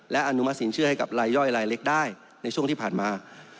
และอนุมัติสินเชื่อให้กับลายย่อยลายเล็กได้ในช่วงที่ผ่านมา